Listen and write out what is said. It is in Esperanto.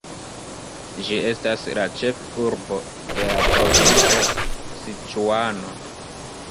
Ĝi estas la ĉef-urbo de la provinco Siĉuano.